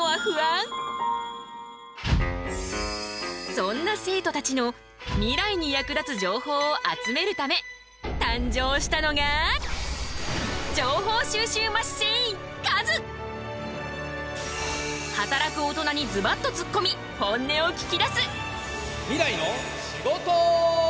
そんな生徒たちのミライに役立つ情報を集めるため誕生したのが働く大人にズバッとつっこみ本音を聞きだす！